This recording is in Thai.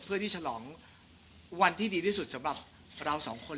เพื่อที่ฉลองวันที่ดีที่สุดสำหรับเราสองคน